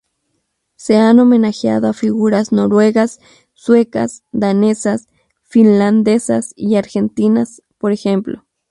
Se han homenajeado a figuras noruegas, suecas, danesas, finlandesas y argentinas, por ejemplo.